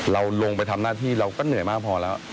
เราลงไปทำหน้าที่เราก็เหนื่อยมากพอแล้ว